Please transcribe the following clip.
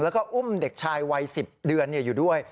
แล้วก็อุ้มเด็กชายวัย๑๐เดือนอยู่ด้วย